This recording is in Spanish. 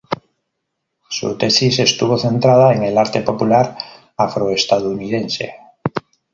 Su tesis estuvo centrada en el arte popular afroestadounidense.